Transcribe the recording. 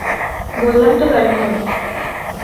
বললাম তো গাড়ি থামাও।